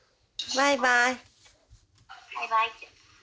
バイバイ。